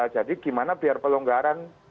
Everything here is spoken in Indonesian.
jadi gimana biar pelonggaran